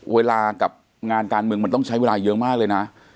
เวลากับงานการเมืองมันต้องใช้เวลาเยอะมากเลยนะ